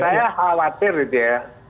saya khawatir gitu ya